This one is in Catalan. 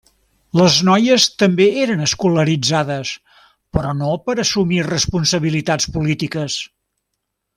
Les noies també eren escolaritzades, però no per assumir responsabilitats polítiques.